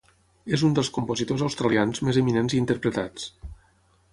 És un dels compositors australians més eminents i interpretats.